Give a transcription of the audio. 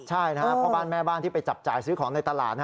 ใช่นะครับพ่อบ้านแม่บ้านที่ไปจับจ่ายซื้อของในตลาด